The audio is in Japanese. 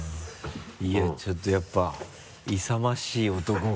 いやちょっとやっぱ勇ましい男が。